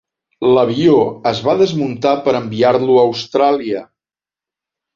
L'avió es va desmuntar per enviar-lo a Austràlia.